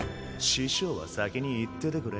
師匠は先に行っててくれ。